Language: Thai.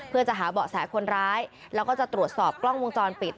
เพื่อจะหาเบาะแสคนร้ายแล้วก็จะตรวจสอบกล้องวงจรปิด